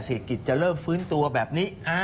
เศรษฐกิจจะเริ่มฟื้นตัวแบบนี้